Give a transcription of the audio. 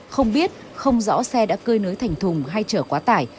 không biết không rõ xe đã cơi lưới thành thùng hay trở quá tải